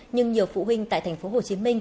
nhưng nhiều phụ huynh tại tp hcm